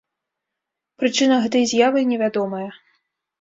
Прычына гэтай з'явы невядомая.